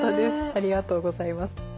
ありがとうございます。